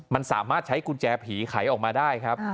มันสามารถใช้กุญแจผีไขออกมาได้ครับ